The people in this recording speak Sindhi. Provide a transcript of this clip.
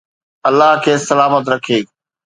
الله کيس سلامت رکي.